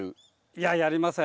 いややりません。